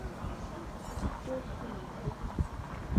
Koitit peek chu missing'